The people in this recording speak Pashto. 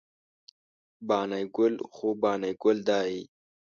بانی ګل خو بانی ګل داي